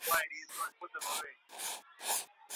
د یوې ډکې کتابچې ارزښت د زده کوونکي لپاره ډیر دی.